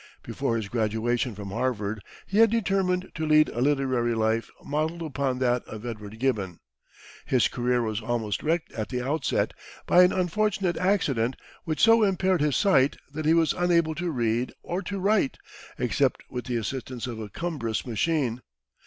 Before his graduation from Harvard, he had determined to lead a literary life modelled upon that of Edward Gibbon. His career was almost wrecked at the outset by an unfortunate accident which so impaired his sight that he was unable to read or to write except with the assistance of a cumbrous machine.